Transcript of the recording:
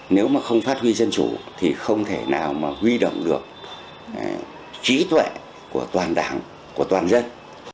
nếu mà không phát huy dân chủ thì không thể nào mà huy động được trí tuệ của toàn đảng của toàn dân